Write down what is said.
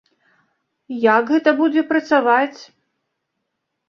Як гэта будзе працаваць?